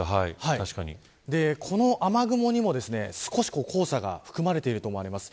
この雨雲にも少し黄砂が含まれていると思われます。